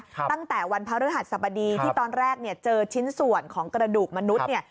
ตั้งแต่วันพระอธิบดีที่ตอนแรกเจอชิ้นส่วนของกระดูกมนุษย์